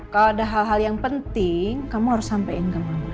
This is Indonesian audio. kalau ada hal hal yang penting kamu harus sampaikan ke mama